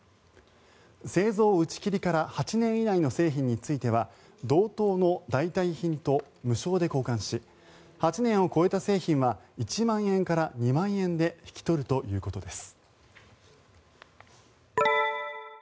製造打ち切りから８年以内の製品については同等の代替品と無償で交換し８年を超えた製品は１万円から２万円で引き取るということです。